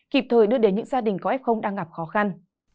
kịp thời đưa đến những gia đình có f đang gặp khó khăn